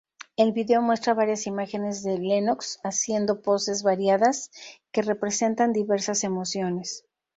El vídeo muestra varias imágenes de Lennox haciendo poses variadas que representan diversas emociones.